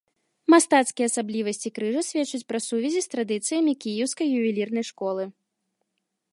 Мастацкія асаблівасці крыжа сведчаць пра сувязі з традыцыямі кіеўскай ювелірнай школы.